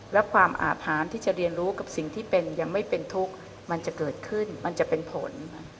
และความอาบหาญที่จะเรียนรู้กับสิ่งที่เป็นยังไม่เป็นทุกข์มันจะเกิดขึ้นมันจะเป็นผล